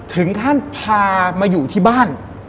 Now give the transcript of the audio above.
ถึงขั้นพามาอยู่ที่บ้าน